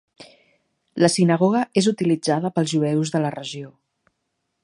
La sinagoga és utilitzada pels jueus de la regió.